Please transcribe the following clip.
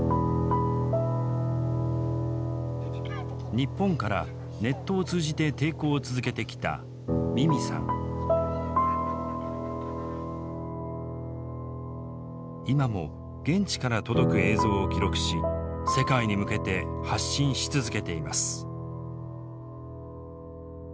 日本からネットを通じて抵抗を続けてきた今も現地から届く映像を記録し世界に向けて発信し続けています。